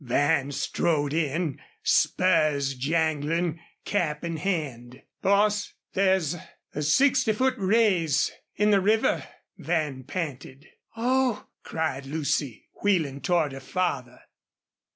Van strode in, spurs jangling, cap in hand. "Boss, there's a sixty foot raise in the river!" Van panted. "Oh!" cried Lucy, wheeling toward her father.